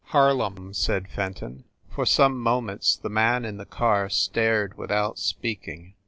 "Harlem," said Fenton. For some moments the man in the car stared, without speaking.